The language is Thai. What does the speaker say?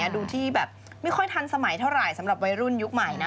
ดูที่แบบไม่ค่อยทันสมัยเท่าไหร่สำหรับวัยรุ่นยุคใหม่นะ